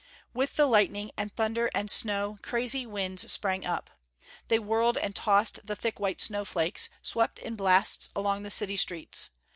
With the lightning and thunder and snow, crazy winds sprang up. They whirled and tossed the thick white snowflakes; swept in blasts along the city streets.